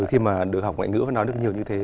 khi mà được học ngoại ngữ và nói được nhiều như thế